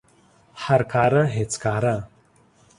هر کاره هیڅ کاره